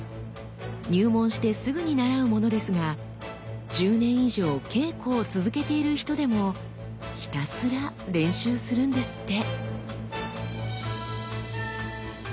入門してすぐに習うものですが１０年以上稽古を続けている人でもひたすら練習するんですって。